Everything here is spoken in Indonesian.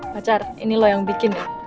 pacar ini lo yang bikin ya